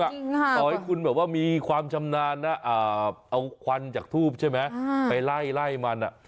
ต่อให้คุณแบบมีความชำนาญเอาไขว้จากทูบใช่ไหมไปไล่มันน่ะ